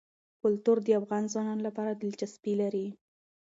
کلتور د افغان ځوانانو لپاره دلچسپي لري.